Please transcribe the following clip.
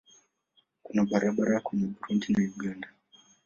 Kuna barabara kwenda Burundi na Uganda.